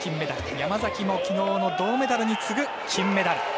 山崎もきのうの銅メダルに続く金メダル。